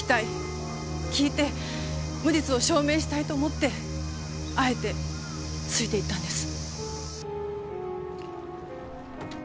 聞いて無実を証明したいと思ってあえてついていったんです。